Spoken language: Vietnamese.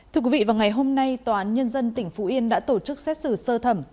thưa quý vị vào ngày hôm nay tòa án nhân dân tỉnh phú yên đã tổ chức xét xử sơ thẩm